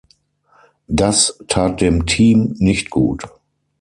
Das tat dem Team nicht gut.